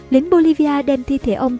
lính bolivia đem thi thể ông